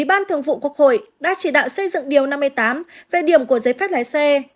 ủy ban thường vụ quốc hội đã chỉ đạo xây dựng điều năm mươi tám về điểm của giấy phép lái xe